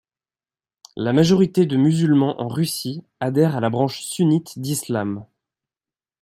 La majorité de Musulmans en Russie adhère à la branche Sunnite d'Islam.